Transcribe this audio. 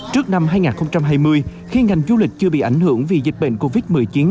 trước năm hai nghìn hai mươi khi ngành du lịch chưa bị ảnh hưởng vì dịch bệnh covid một mươi chín